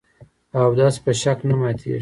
اودس په شک نه ماتېږي .